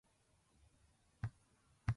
詳しくは概要欄をチェック！